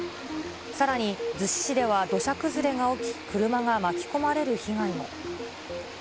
さらに逗子市では土砂崩れが起き、車が巻き込まれる被害も。